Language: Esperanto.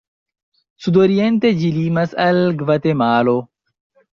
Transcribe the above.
Sudoriente ĝi limas al Gvatemalo.